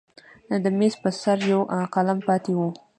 د میز پر سر یو قلم پاتې و.